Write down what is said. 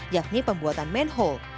yakni pembuatan manhole